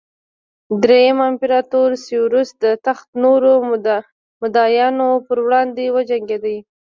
درېیم امپراتور سېوروس د تخت نورو مدعیانو پر وړاندې وجنګېد